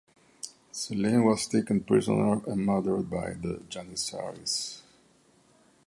Selim was taken prisoner and murdered by the Janissaries.